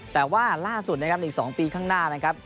แต่ว่าล่าสุดนะครับอีก๒ปีข้างหน้านะครับ